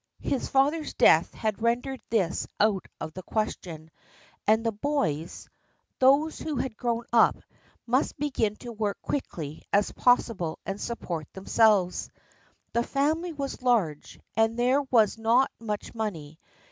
His father's death had rendered this out of the question, and the boys — those who had grown up — must begin to work as quickly as possible and support themselves. The family was large, and there was not much money.